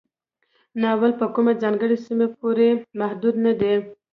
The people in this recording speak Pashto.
ناول په کومه ځانګړې سیمه پورې محدود نه دی.